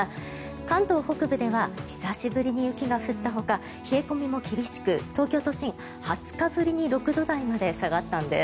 関東北部では久しぶりに雪が降ったほか冷え込みも厳しく東京都心は２０日ぶりに６度台まで下がったんです。